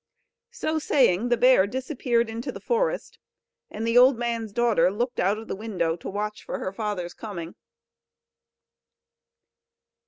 So saying the bear disappeared into the forest, and the old man's daughter looked out of the window to watch for her father's coming.